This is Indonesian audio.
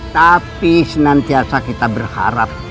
tapi senantiasa kita berharap